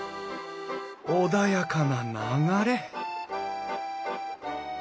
穏やかな流れ